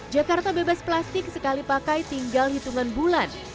jakarta bebas plastik sekali pakai tinggal hitungan bulan